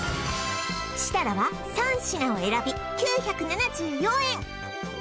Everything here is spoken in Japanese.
設楽は３品を選び９７４円